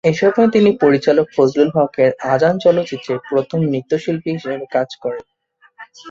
এসময় তিনি পরিচালক ফজলুল হকের "আজান" চলচ্চিত্রে প্রথম নৃত্যশিল্পী হিসেবে কাজ করেন।